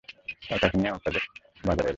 তারা তাকে নিয়ে ওকাজ বাজারে এল।